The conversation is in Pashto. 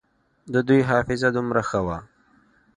د دوى حافظه دومره ښه وه.